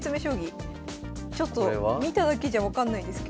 ちょっと見ただけじゃ分かんないですけど。